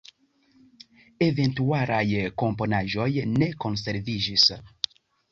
Eventualaj komponaĵoj ne konserviĝis.